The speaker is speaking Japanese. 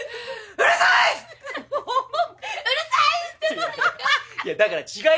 うるさい！